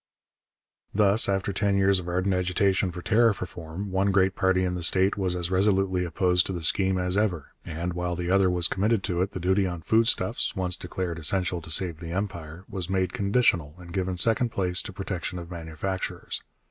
Thus, after ten years of ardent agitation for tariff reform, one great party in the state was as resolutely opposed to the scheme as ever, and, while the other was committed to it, the duty on foodstuffs, once declared essential to save the Empire, was made conditional and given second place to protection of manufacturers.